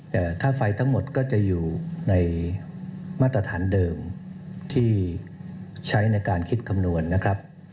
แต่ค่าไฟทั้งหมดก็จะอยู่ในมาตรฐานเดิมที่ใช้ในการคิดคำนวณนะครับ